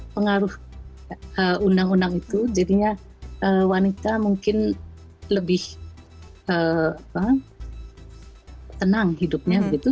pengaruh undang undang itu jadinya wanita mungkin lebih tenang hidupnya begitu